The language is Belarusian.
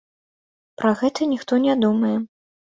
Пра гэта ніхто не думае.